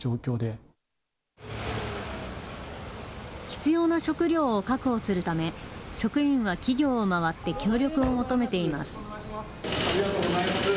必要な食料を確保するため職員は企業を回って協力を求めています。